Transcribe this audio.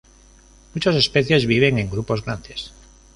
Muchas especies viven en grupos grandes.